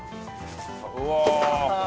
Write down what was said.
うわ。